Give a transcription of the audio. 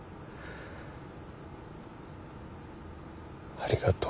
ありがとう。